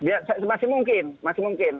ya masih mungkin